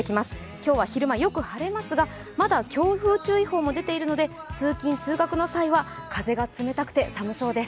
今日は昼間、よく晴れますがまだ強風注意報も出ていますので通勤通学の際は風が冷たくて寒そうです。